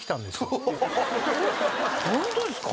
ホントですか？